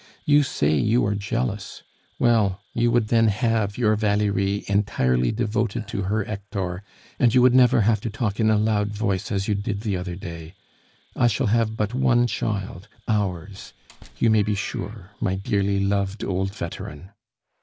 You say you are jealous; well, you would then have your Valerie entirely devoted to her Hector, and you would never have to talk in a loud voice, as you did the other day. I shall have but one child ours you may be sure, my dearly loved old veteran.